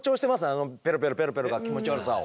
あのペロペロペロペロが気持ち悪さを。